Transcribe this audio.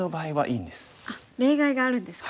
例外があるんですか。